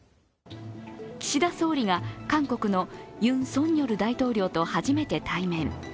岸田総理が韓国のユン・ソンニョル大統領と初めて対面。